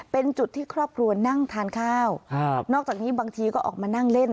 เป็นจุดที่ครอบครัวนั่งทานข้าวครับนอกจากนี้บางทีก็ออกมานั่งเล่น